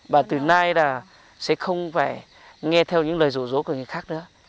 và từ nay là sẽ không phải nghe theo những lời rủ rỗ của người khác nữa